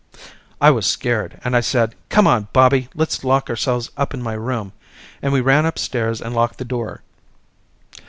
I was scared and I said come on Bobby let's lock ourselves up in my room and we ran upstairs and locked the door.